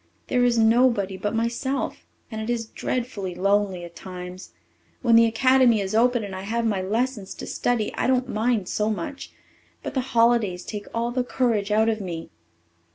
There is nobody but myself, and it is dreadfully lonely at times. When the Academy is open and I have my lessons to study, I don't mind so much. But the holidays take all the courage out of me."